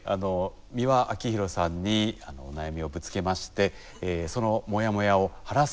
美輪明宏さんにお悩みをぶつけましてそのモヤモヤを晴らす